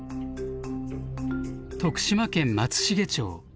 徳島県松茂町。